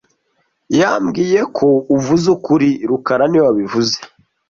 Yambwiye ko uvuze ukuri rukara niwe wabivuze